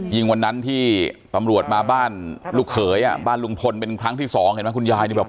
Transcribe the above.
วันนั้นที่ตำรวจมาบ้านลูกเขยอ่ะบ้านลุงพลเป็นครั้งที่สองเห็นไหมคุณยายนี่แบบ